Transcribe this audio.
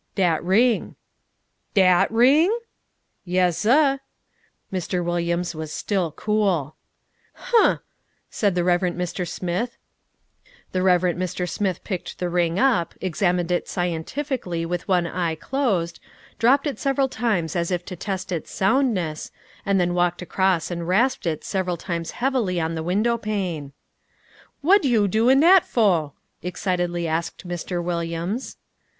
"Dat ring." "Dat ring?" "Yezzah." Mr. Williams was still cool. "Huh!" The Reverend Mr. Smith picked the ring up, examined it scientifically with one eye closed, dropped it several times as if to test its soundness, and then walked across and rasped it several times heavily on the window pane. "Whad yo' doin' dat for?" excitedly asked Mr. Williams.